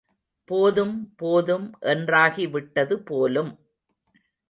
போதும் போதும் என்றாகி விட்டது போலும்!